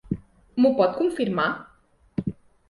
M'ho pot confirmar?